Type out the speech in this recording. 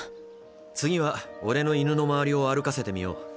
次はオレの犬の周りを歩かせてみよう。